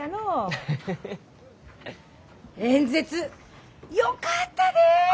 演説よかったで！